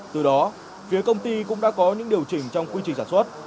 từ đó phía công ty cũng đã có những điều chỉnh trong quy trình sản xuất